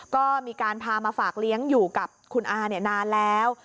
ก็มีการพามาฝากเลี้ยงอยู่กับคุณอานานแล้ว